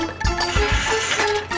tapi kenapa gak stokin nanti